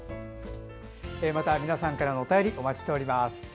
皆さんからのお便りお待ちしております。